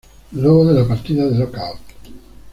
Luego de la partida de Lookout!